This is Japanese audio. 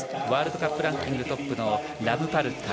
ワールドカップランキングトップの選手。